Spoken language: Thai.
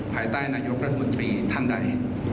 ภายใต้นายกรัฐมนตรีท่านใด